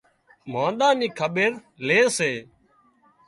مانۮان نِي کٻير لي سي